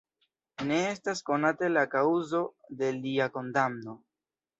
Ne estas konate la kaŭzo de lia kondamno.